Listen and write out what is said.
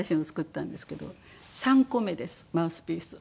３個目ですマウスピース。